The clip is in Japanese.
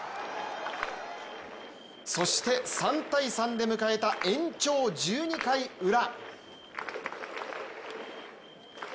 そして３−３で迎えた延長１２回裏。